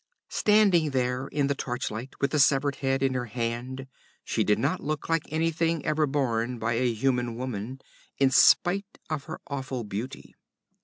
Standing there in the torchlight with the severed head in her hand she did not look like anything ever borne by a human woman, in spite of her awful beauty.